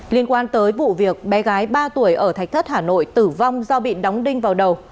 liên quan tới vụ việc bé gái ba tuổi ở thạch thất hà nội tử vong do bị đóng đinh vào đầu